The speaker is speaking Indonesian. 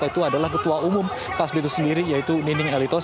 yaitu adalah ketua umum kasbi itu sendiri yaitu nining elitos